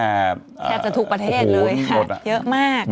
แทบจะทุกประเทศเลยค่ะเยอะมาก